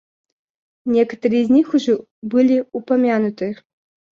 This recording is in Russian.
Некоторые из них уже были упомянуты.